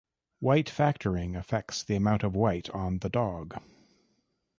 White factoring affects the amount of white on the dog.